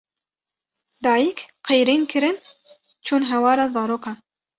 Dayîk qîrîn kirin çûn hewara zarokan